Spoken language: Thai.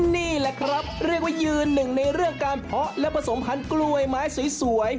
นี่แหละครับเรียกว่ายืนหนึ่งในเรื่องการเพาะและผสมพันธุ์กล้วยไม้สวย